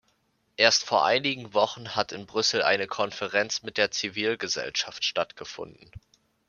Erst vor einigen Wochen hat in Brüssel eine Konferenz mit der Zivilgesellschaft stattgefunden.